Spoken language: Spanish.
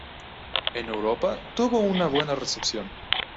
En Europa, tuvo una buena recepción.